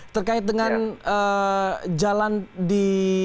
terkait dengan jalan di